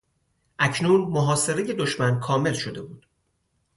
اکنون محاصرهی دشمن کامل شده بود.